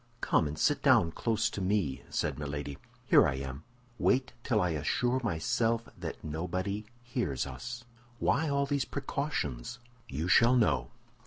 "Come and sit down close to me," said Milady. "Here I am." "Wait till I assure myself that nobody hears us." "Why all these precautions?" "You shall know."